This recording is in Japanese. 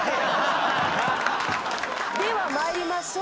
では参りましょう。